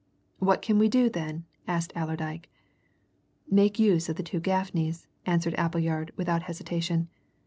"What can we do, then?" asked Allerdyke. "Make use of the two Gaffneys," answered Appleyard without hesitation.